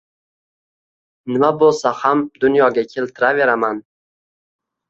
Nima boʻlsa ham dunyoga keltiraveraman.